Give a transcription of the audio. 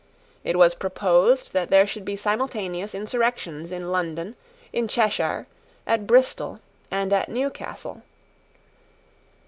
It was proposed that there should be simultaneous insurrections in London, in Cheshire, at Bristol, and at Newcastle.